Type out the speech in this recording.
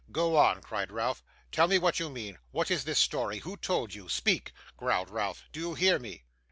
'Go on,' cried Ralph. 'Tell me what you mean. What is this story? Who told you? Speak,' growled Ralph. 'Do you hear me?